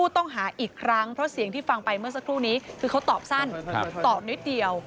ตอบนิดเดียว